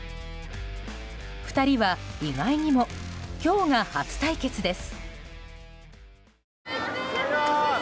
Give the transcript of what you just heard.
２人は意外にも今日が初対決です。